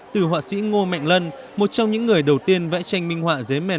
từ họa sĩ ngô mạnh lân một trong những người đầu tiên vẽ tranh minh họa